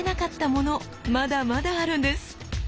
まだまだあるんです。